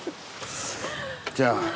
じゃあ。